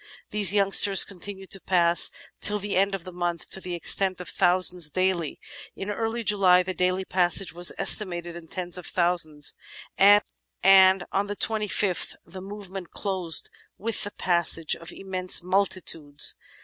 These youngsters continued to pass till the end of the month to the extent of thousands daily. In early July the daily passage was estimated in tens of thousands, and on the 25th the movement closed with the passage of ''im mense multitudes."